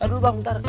aduh bang bentar